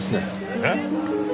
えっ？